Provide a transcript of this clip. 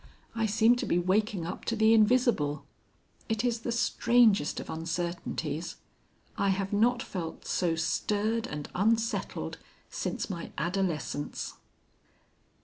I seem to be waking up to the Invisible. It is the strangest of uncertainties. I have not felt so stirred and unsettled since my adolescence."